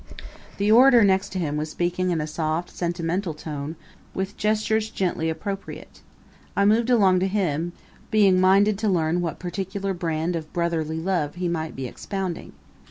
The orator next to him was speaking in a soft, sentimental tone, with gestures gently appropriate. I moved along to him, being minded to learn what particular brand of brotherly love he might be expounding.